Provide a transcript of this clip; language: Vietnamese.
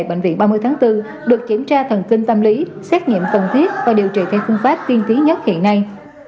bệnh viện ba mươi tháng bốn được kiểm tra thần kinh tâm lý xét nghiệm cần thiết và điều trị theo phương pháp tiên tiến nhất hiện nay